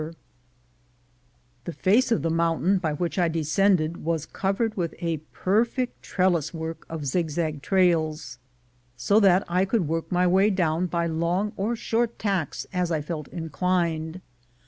GOLD IS WHERE YOU FIND IT 167 The face of the mountain by which I descended was covered with a perfect trellis work of zigzag trails, so that I could work my way down by long or short tacks as I felt inclined.